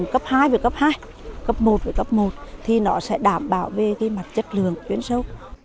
cấp hai về cấp hai cấp một với cấp một thì nó sẽ đảm bảo về mặt chất lượng chuyên sâu